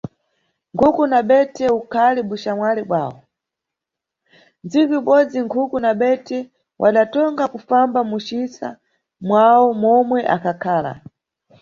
Nkhuku na bethe udali uxamwali bwawo, tsiku ibodzi, Nkhuku na Bethe wadatonga kufamba mucisa mwawo momwe akhakhala.